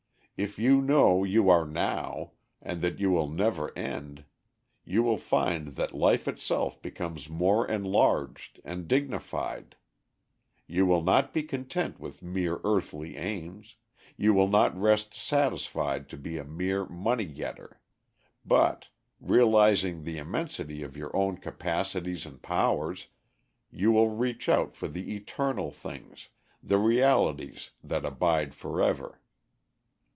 If you know you are now, and that you will never end, you will find that life itself becomes more enlarged and dignified. You will not be content with mere earthly aims, you will not rest satisfied to be a mere money getter, but, realizing the immensity of your own capacities and powers, you will reach out for the eternal things, the realities that abide forever.